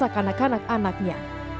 dan juga mengingatkan keadaan anak anak anaknya